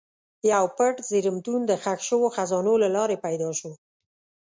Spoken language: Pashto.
یو پټ زېرمتون د ښخ شوو خزانو له لارې پیدا شو.